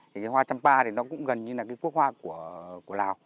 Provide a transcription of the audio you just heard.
thì cái hoa champa thì nó cũng gần như là cái quốc hoa của lào